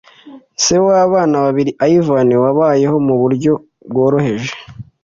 Se w'abana babiri Ivan, wabayeho mu buryo bworoheje